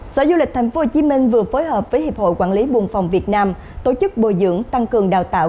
sở du lịch tp hcm vừa phối hợp với hiệp hội quản lý buôn phòng việt nam tổ chức bồi dưỡng tăng cường đào tạo